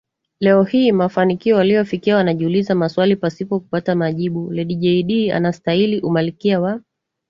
leo hii mafanikio waliyofikia wanajiuliza maswali pasipo kupata majibu Lady Jaydee anastahili umalkia wa